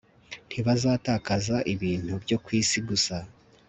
ntibazatakaza ibintu byo ku isi gusa